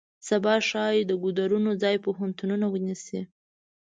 سبا ښایي د ګودرونو ځای پوهنتونونه ونیسي.